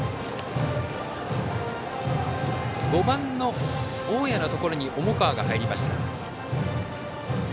５番の大矢のところに重川が入りました。